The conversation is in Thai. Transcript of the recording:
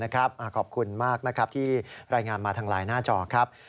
ขอบคุณมากนะครับที่รายงานมาทางไลน์หน้าจอครับ